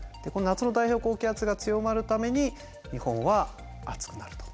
夏の太平洋高気圧が強まるために日本は暑くなると。